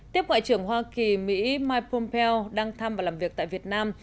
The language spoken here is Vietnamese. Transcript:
tiếp ngoại trưởng hoa kỳ mỹ mike pompeo đang thăm và làm việc tại việt nam